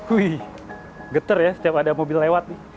wuih geter ya setiap ada mobil lewat